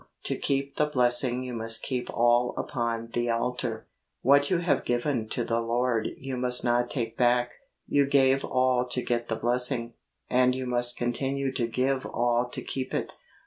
To keep the blessing you must keep all upon the altar. What you have given to the Lord you must not take back. You gave all to get the blessing, and you must continue to give all to keep it.